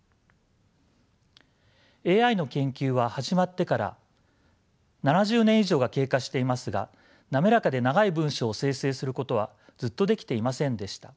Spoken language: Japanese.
ＡＩの研究は始まってから７０年以上が経過していますが滑らかで長い文章を生成することはずっとできていませんでした。